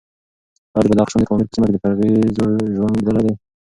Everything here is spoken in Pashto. ایا د بدخشان د پامیر په سیمه کې د قرغیزو ژوند لیدلی دی؟